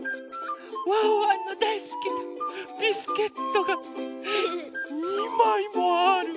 ワンワンのだいすきなビスケットが２まいもある！